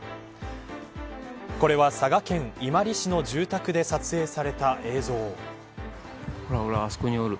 これは、佐賀県伊万里市の住宅で撮影された映像。